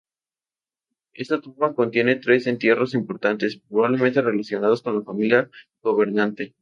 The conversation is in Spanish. Esta tumba contiene tres entierros importantes, probablemente relacionados con la familia gobernante.